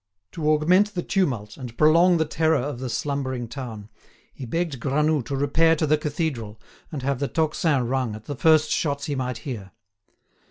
To augment the tumult, and prolong the terror of the slumbering town, he begged Granoux to repair to the cathedral and have the tocsin rung at the first shots he might hear.